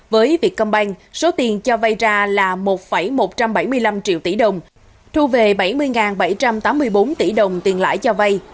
với việt công banh số tiền cho vay ra là một một trăm bảy mươi năm triệu tỷ đồng thu về bảy mươi bảy trăm tám mươi bốn tỷ đồng tiền lãi cho vay